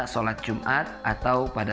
salat jumat atau pada